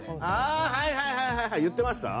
あはいはいはいはいはい言ってました？